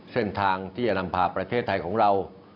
เส้นทางที่จะนำพาประเทศไทยของเรา